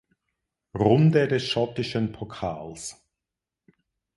Runde des schottischen Pokals.